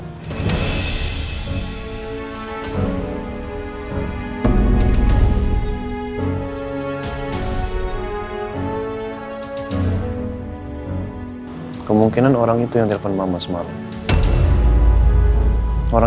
mas anusi juga bilang sama aku katanya semalam dia diserang di toilet mall sama orang